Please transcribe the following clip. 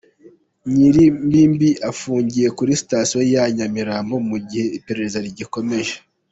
Nyirimbibi afungiye kuri Sitasiyo ya Nyamirambo mu gihe iperereza rigikomeje.